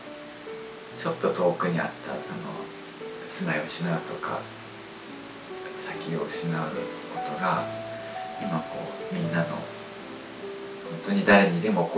ちょっと遠くにあった住まいを失うとか先を失うことが今こうみんなの本当に誰にでも起こるものになったんだなって。